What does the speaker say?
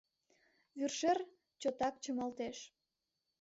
Вӱршер чотак чымалтеш